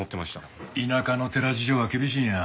田舎の寺事情は厳しいんや。